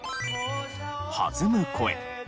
「弾む声」